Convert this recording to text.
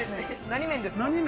何麺ですか？